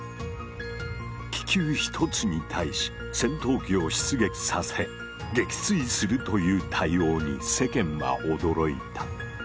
気球１つに対し戦闘機を出撃させ撃墜するという対応に世間は驚いた。